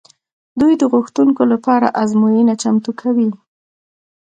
دوی د غوښتونکو لپاره ازموینه چمتو کوي.